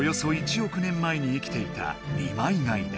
おく年前に生きていた二枚貝だ。